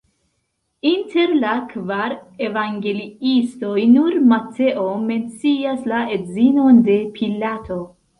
Inter la kvar evangeliistoj nur Mateo mencias la edzinon de Pilato.